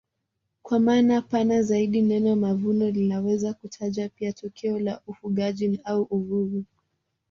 Kwa maana pana zaidi neno mavuno linaweza kutaja pia tokeo la ufugaji au uvuvi.